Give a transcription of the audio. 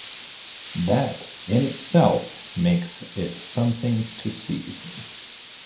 That, in itself, makes it something to see.